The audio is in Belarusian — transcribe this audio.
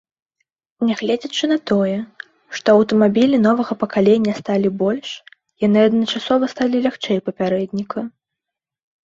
Нягледзячы на тое, што аўтамабілі новага пакалення сталі больш, яны адначасова сталі лягчэй папярэдніка.